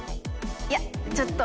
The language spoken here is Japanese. いやちょっと。